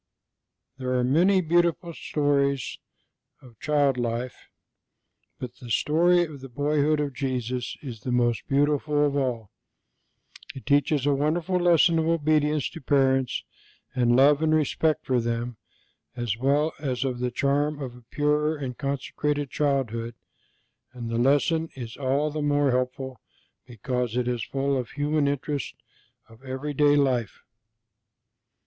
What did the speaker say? There are many beautiful stories of child life, but the story of the Boyhood of Jesus is the most beautiful of all. It teaches a wonderful lesson of obedience to parents and love and respect for them, as well as of the charm of a pure and consecrated childhood, and the lesson is all the more helpful because it is full of the human interest of everyday life.